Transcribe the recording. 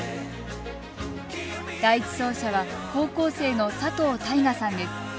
第１走者は高校生の佐藤大河さんです。